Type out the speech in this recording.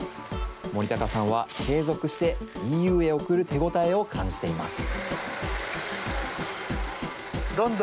森高さんは、継続してＥＵへ送る手応えを感じています。